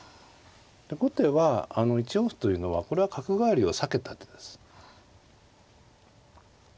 後手は１四歩というのはこれは角換わりを避けた手です。